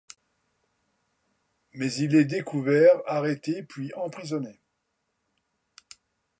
Mais il est découvert, arrêté puis emprisonné.